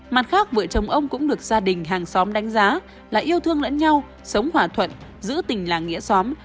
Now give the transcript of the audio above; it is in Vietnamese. mặt khác vợ chồng ông cũng được gia đình hàng xóm đánh giá là yêu thương lẫn nhau sống hòa thuận giữ tình làng nghĩa xóm